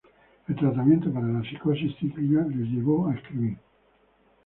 El tratamiento para la psicosis cíclica le llevó a escribir.